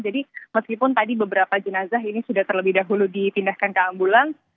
jadi meskipun tadi beberapa jenazah ini sudah terlebih dahulu dipindahkan ke ambulans